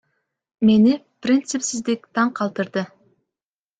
Мени принципсиздик таң калтырды.